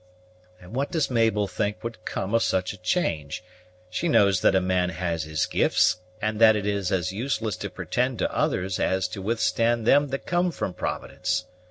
"And what does Mabel think would come of such a change? She knows that a man has his gifts, and that it is as useless to pretend to others as to withstand them that come from Providence.